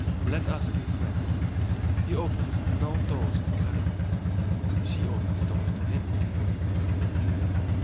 Let us be frank. He opens no doors to Karen. She opens doors to him."